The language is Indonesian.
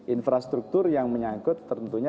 infrastruktur yang menyangkut tentunya